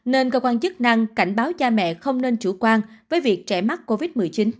nên cơ quan chức năng cảnh báo cha mẹ không nên chủ quan với việc trẻ mắc covid một mươi chín